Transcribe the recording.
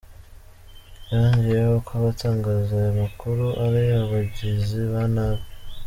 Yongeyeho ko abatangaza aya makuru ari abagizi ba nabi.